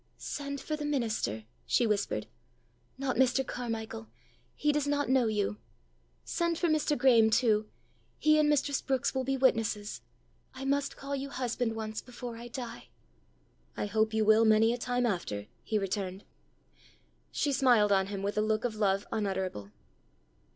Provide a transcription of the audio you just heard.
"Send for the minister," she whispered, " not Mr. Carmichael; he does not know you. Send for Mr. Graeme too: he and mistress Brookes will be witnesses. I must call you husband once before I die!" "I hope you will many a time after!" he returned. She smiled on him with a look of love unutterable.